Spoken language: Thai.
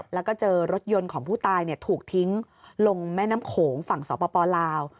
แล้วก็เจอรถยนต์ของผู้ตายถูกทิ้งลงแม่น้ำโขงฝั่งสปลาว